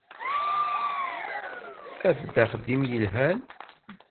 Af-d axeddim yelhan.